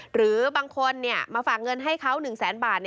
หรือบางคนมาฝากเงินให้เขา๑แสนบาท